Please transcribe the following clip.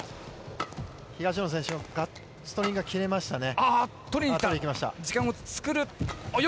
東野選手のストリングが切れましたね。